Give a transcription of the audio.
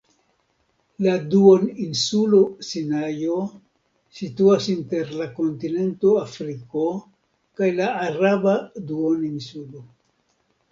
La duoninsulo Sinajo situas inter la kontinento Afriko kaj la Araba duoninsulo.